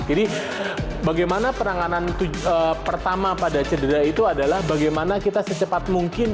jadi bagaimana penanganan pertama pada cedera itu adalah bagaimana kita secepat mungkin